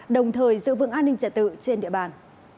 đồng thời giữ vững an ninh trật tự trên địa bàn